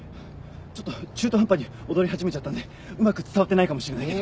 ちょっと中途半端に踊り始めちゃったんでうまく伝わってないかもしれないけど。